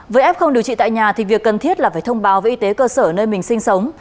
với f không điều trị tại nhà thì việc cần thiết là phải thông báo với y tế cơ sở nơi mình sinh sống